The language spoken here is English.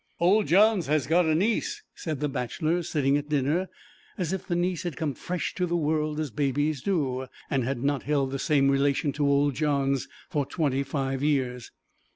'Old Johns has got a niece,' said the bachelors sitting at dinner, as if the niece had come fresh to the world as babies do, and had not held the same relation to old Johns for twenty five years.